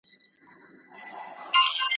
ستا په مالت کي مي خپل سیوري ته خجل نه یمه `